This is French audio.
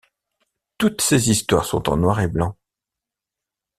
Toutes ces histoires sont en noir et blanc.